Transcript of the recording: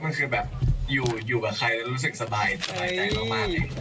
มันคืออยู่กับใครแล้วรู้สึกสบายสบายใจมาก